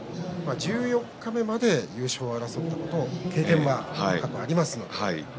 十四日目まで優勝を争った経験は過去はあります。